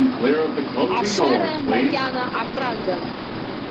Ашара макьана акрагын.